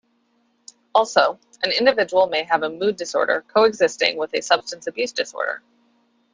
Also, an individual may have a mood disorder coexisting with a substance abuse disorder.